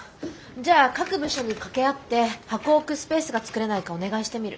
じゃあ各部署に掛け合って箱を置くスペースが作れないかお願いしてみる。